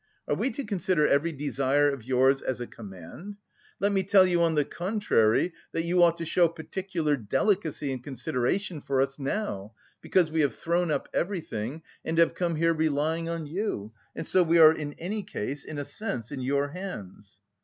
Are we to consider every desire of yours as a command? Let me tell you on the contrary that you ought to show particular delicacy and consideration for us now, because we have thrown up everything, and have come here relying on you, and so we are in any case in a sense in your hands."